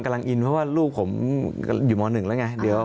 กำลังอินเพราะว่าลูกผมอยู่ม๑แล้วไง